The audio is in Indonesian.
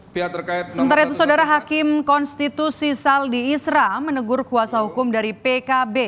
sementara itu saudara hakim konstitusi saldi isra menegur kuasa hukum dari pkb